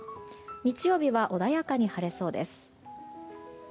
日曜日は穏やかに晴れそうです。